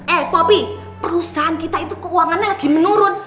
eh popi perusahaan kita itu keuangannya lagi menurun